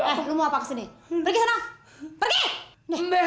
eh lu mau apa kesini pergi sana